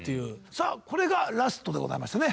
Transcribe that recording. さあこれがラストでございましたね。